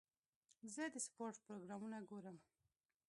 زه د سپورټ پروګرامونه ګورم.